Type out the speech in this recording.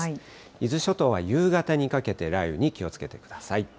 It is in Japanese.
伊豆諸島は夕方にかけて雷雨に気をつけてください。